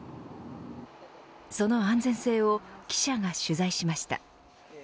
その安全性を記者が取材しました。